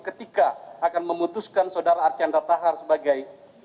ketika akan memutuskan sodara archandra thakar sebagai